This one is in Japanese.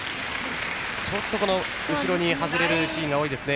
ちょっと後ろに外れるシーンが多いですね。